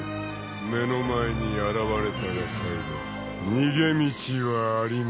［目の前に現れたら最後逃げ道はありませんよ］